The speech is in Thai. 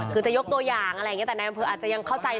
คือจะยกตัวอย่างอะไรอย่างเงี้ยแต่แนมเพลิงอาจจะยังเข้าใจ